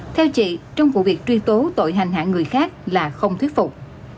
theo chị trong vụ việc truy tố tội hành hạ người khác là không thuyết phục